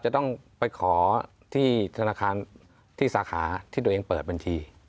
จะต้องไปขอที่ธนาคารที่สาขาที่ตัวเองเปิดบัญชี